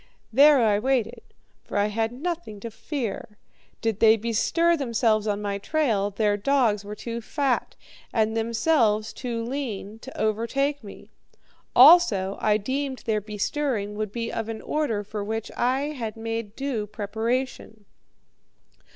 There I waited, for I had nothing to fear. Did they bestir themselves on my trail, their dogs were too fat, and themselves too lean, to overtake me; also, I deemed their bestirring would be of an order for which I had made due preparation.